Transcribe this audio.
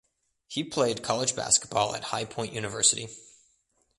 He played college baseball at High Point University.